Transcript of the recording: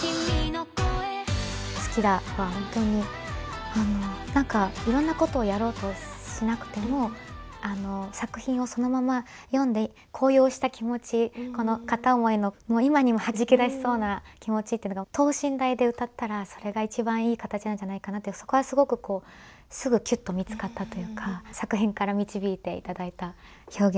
「好きだ」は本当に何かいろんなことをやろうとしなくても作品をそのまま読んで高揚した気持ち片思いのもう今にもはじけだしそうな気持ちっていうのが等身大で歌ったらそれが一番いい形なんじゃないかなってそこはすごくこうすぐキュッと見つかったというか作品から導いていただいた表現でした。